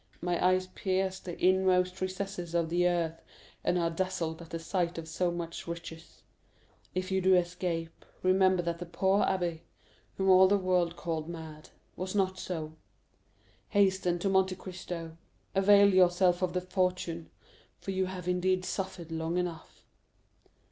My eyes pierce the inmost recesses of the earth, and are dazzled at the sight of so much riches. If you do escape, remember that the poor abbé, whom all the world called mad, was not so. Hasten to Monte Cristo—avail yourself of the fortune—for you have indeed suffered long enough."